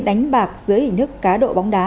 đánh bạc dưới hình thức cá độ bóng đá